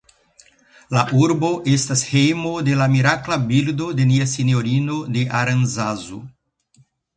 La urbo estas hejmo de la mirakla bildo de Nia Sinjorino de Aranzazu.